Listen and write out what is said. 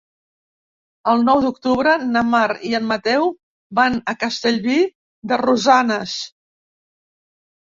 El nou d'octubre na Mar i en Mateu van a Castellví de Rosanes.